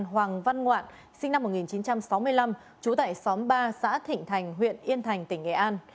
hoàng văn ngoạn sinh năm một nghìn chín trăm sáu mươi năm trú tại xóm ba xã thịnh thành huyện yên thành tỉnh nghệ an